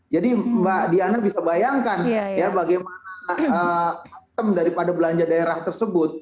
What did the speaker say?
jadi mbak diana bisa bayangkan ya bagaimana sistem daripada belanja daerah tersebut